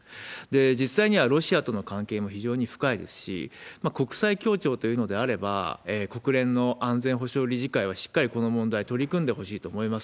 実際にはロシアとの関係も非常に深いですし、国際協調というのであれば、国連の安全保障理事会はしっかりこの問題取り組んでほしいと思います。